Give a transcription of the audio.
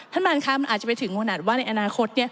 ท่านบาลค้ามันอาจจะไปถึงข้างหน้าว่าในอนาคต